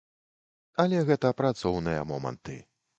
Але гэта працоўныя моманты.